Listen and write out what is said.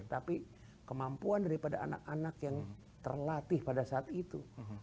tapi kemampuan daripada anak anak yang terlatih pada saat itu